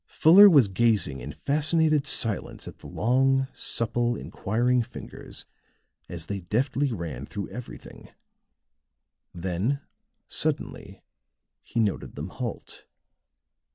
Fuller was gazing in fascinated silence at the long, supple, inquiring fingers as they deftly ran through everything; then suddenly he noted them halt.